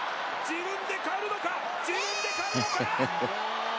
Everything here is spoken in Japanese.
自分で刈るのか？